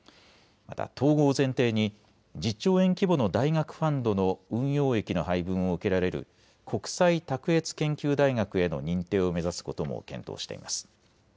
また統合を前提に１０兆円規模の大学ファンドの運用益の配分を受けられる国際卓越研究大学への認定を目指すことも検討しています。